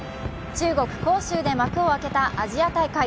中国・杭州で幕を開けたアジア大会。